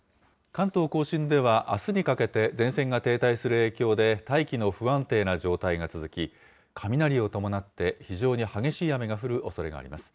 関東甲信では、あすにかけて前線が停滞する影響で大気の不安定な状態が続き、雷を伴って非常に激しい雨が降るおそれがあります。